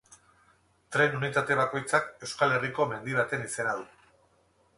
Tren unitate bakoitzak Euskal Herriko mendi baten izena du.